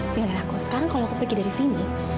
pilih aku sekarang kalau aku pergi dari sini